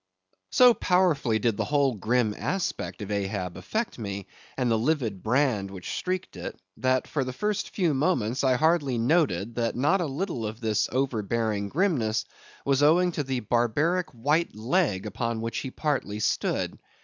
So powerfully did the whole grim aspect of Ahab affect me, and the livid brand which streaked it, that for the first few moments I hardly noted that not a little of this overbearing grimness was owing to the barbaric white leg upon which he partly stood.